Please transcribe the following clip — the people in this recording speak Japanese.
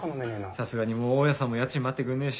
さすがにもう大家さんも家賃待ってくんねえし。